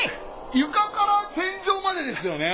床から天井までですよね。